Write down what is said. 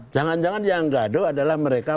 jangan jangan yang gaduh adalah mereka